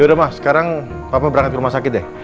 yaudah mah sekarang papa berangkat ke rumah sakit deh